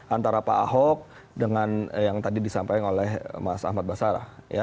antara pak ahok dengan yang tadi disampaikan oleh mas ahmad basara